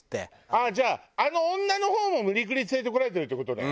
じゃああの女の方も無理くり連れてこられてるって事ね。